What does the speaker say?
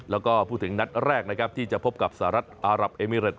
และพูดถึงนัดแรกที่จะพบกับสหรัฐอารับเอมิเร็ต